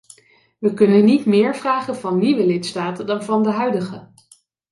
We kunnen niet meer vragen van nieuwe lidstaten dan van de huidige.